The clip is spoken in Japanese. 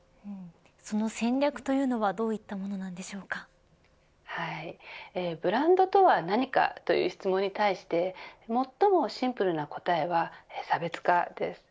その戦略というのはどういったものなんでしょうブランドとは何かという質問に対して最もシンプルな答えは差別化です。